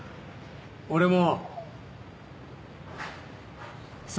俺も。